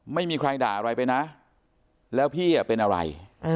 ไม่มีใครด่าอะไรไปนะแล้วพี่เป็นอะไร